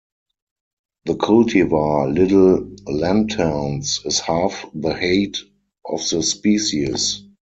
The cultivar 'little lanterns' is half the height of the species.